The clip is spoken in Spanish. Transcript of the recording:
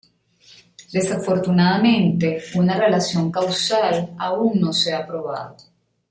Desafortunadamente, una relación causal aún no se ha probado.